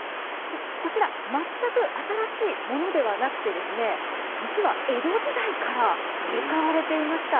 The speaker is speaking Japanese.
こちら、全く新しいものではなくて、実は、江戸時代から使われていました。